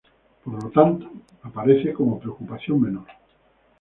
Por lo tanto, aparece como preocupación menor.